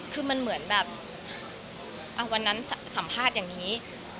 คือมันเหมือนแบบวันนั้นสัมภาษณ์อย่างนี้